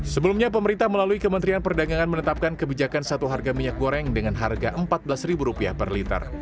sebelumnya pemerintah melalui kementerian perdagangan menetapkan kebijakan satu harga minyak goreng dengan harga rp empat belas per liter